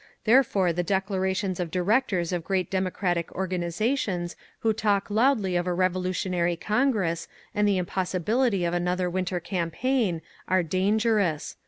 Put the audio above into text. Therefore the declarations of directors of great democratic organisations who talk loudly of a revolutionary Congress, and the impossibility of another winter campaign, are dangerous….